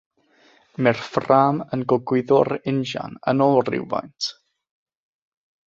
Mae'r ffrâm yn gogwyddo'r injan yn ôl rywfaint.